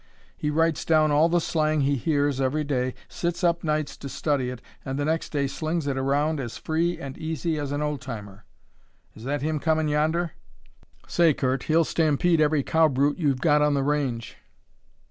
He writes down all the slang he hears every day, sits up nights to study it, and the next day slings it around as free and easy as an old timer. Is that him comin' yonder? Say, Curt, he'll stampede every cow brute you've got on the range!"